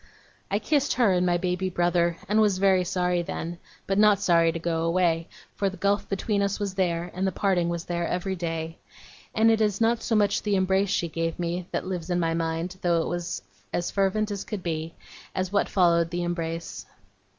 I kissed her, and my baby brother, and was very sorry then; but not sorry to go away, for the gulf between us was there, and the parting was there, every day. And it is not so much the embrace she gave me, that lives in my mind, though it was as fervent as could be, as what followed the embrace.